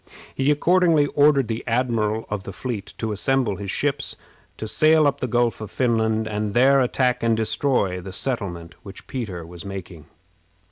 He accordingly ordered the admiral of the fleet to assemble his ships, to sail up the Gulf of Finland, and there attack and destroy the settlement which Peter was making.